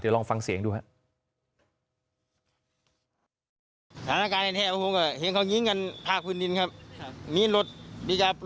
เดี๋ยวลองฟังเสียงดูครับ